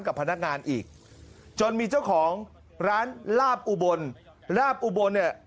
กับพนักงานอีกจนมีเจ้าของร้านลาบอุบลลาบอุบลเนี่ย